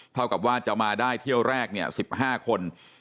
เท่ากับว่าจะมาได้เที่ยวแรกเนี่ย๑๕คน